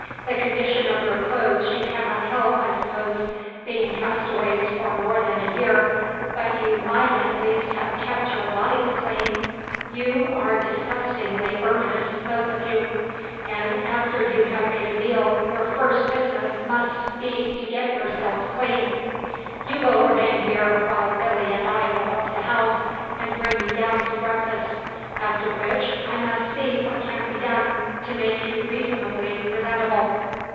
The condition of your clothes you cannot help, I suppose, being castaways for more than a year; but you might at least have kept your bodies clean. You are disgustingly verminous, both of you; and after you have had a meal your first business must be to get yourselves clean. You will remain here while Billy and I go up to the house and bring you down some breakfast; after which I must see what can be done to make you reasonably presentable."